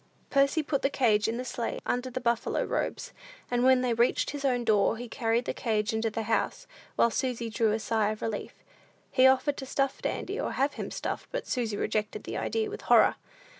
Percy put the cage in the sleigh, under the buffalo robes; and when they reached his own door, he carried the cage into the house, while Susy drew a sigh of relief. He offered to stuff Dandy, or have him stuffed; but Susy rejected the idea with horror.